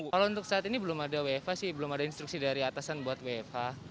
kalau untuk saat ini belum ada wfh sih belum ada instruksi dari atasan buat wfa